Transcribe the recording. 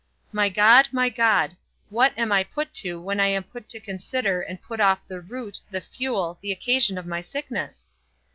My God, my God, what am I put to when I am put to consider and put off the root, the fuel, the occasion of my sickness?